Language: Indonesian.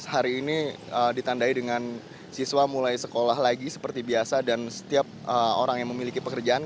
hari ini ditandai dengan siswa mulai sekolah lagi seperti biasa dan setiap orang yang memiliki pekerjaan